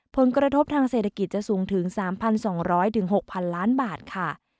ผลกระทบทางเศรษฐกิจจะสูงถึง๓๒๐๐๖๐๐๐ล้านบาทค่ะ